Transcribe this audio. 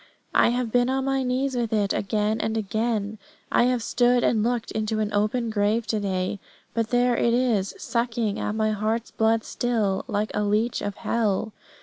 I have been on my knees with it again and again; I have stood and looked into an open grave to day; but there it is sucking at my heart's blood still, like a leech of hell.